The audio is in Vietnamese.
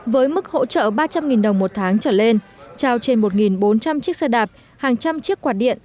với mức hỗ trợ ba trăm linh đồng một tháng trở lên trao trên một bốn trăm linh chiếc xe đạp hàng trăm chiếc quạt điện